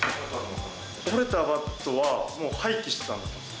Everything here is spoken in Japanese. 折れたバットはもう廃棄してたんです。